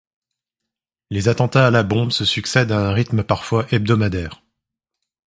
Les attentats à la bombe se succèdent à un rythme parfois hebdomadaire.